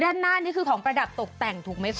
ด้านหน้านี่คือของประดับตกแต่งถูกไหมคะ